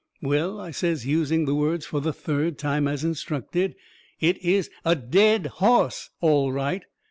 "Well," I says, using the words fur the third time, as instructed, "it is a DEAD HOSS all right."